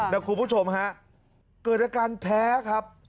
แล้วคุณผู้ชมฮะเกิดอาการแพ้ครับ